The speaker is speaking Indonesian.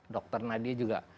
dokter nadia juga